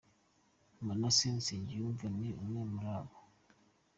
Manaseh Nsengiyumva ni umwe muri bo.